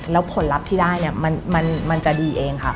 แล้วผลลัพธ์ที่ได้เนี่ยมันจะดีเองค่ะ